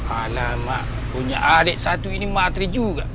anak punya adik satu ini matri juga